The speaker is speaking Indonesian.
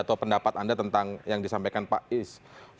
atau pendapat anda tentang yang disampaikan pak is